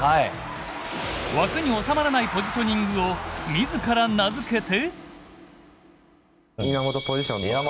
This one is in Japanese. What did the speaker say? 枠に収まらないポジショニングを自ら名付けて。